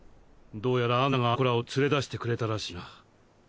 どうやらアンナがあの子らを連れ出してくれたらしいな。